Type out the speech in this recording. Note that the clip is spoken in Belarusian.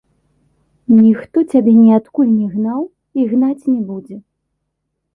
Ніхто цябе ніадкуль не гнаў і гнаць не будзе.